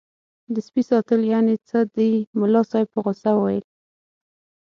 د سپي ساتل یعنې څه دي ملا صاحب په غوسه وویل.